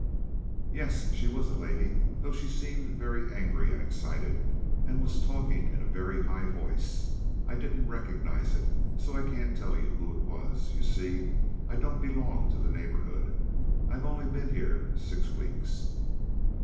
"Yes; she was a lady, though she seemed very angry and excited, and was talking in a very high voice. I didn't recognize it, so I can't tell you who it was. You see, I don't belong to the neighbourhood. I've only been here six weeks."